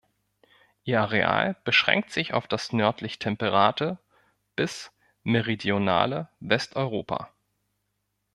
Ihr Areal beschränkt sich auf das nördlich-temperate bis meridionale Westeuropa.